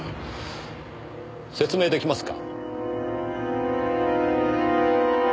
説明出来ますか？